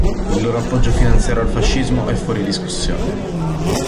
Il loro appoggio finanziario al fascismo è fuori discussione".